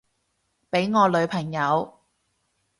畀我女朋友